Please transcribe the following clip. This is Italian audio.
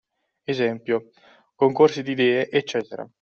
Esempio: concorsi di idee, eccetera